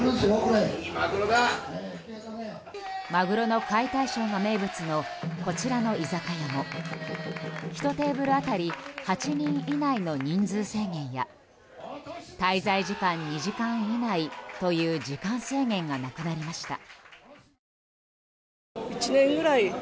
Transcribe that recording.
マグロの解体ショーが名物のこちらの居酒屋も１テーブル当たり８人以内の人数制限や滞在時間２時間以内という時間制限がなくなりました。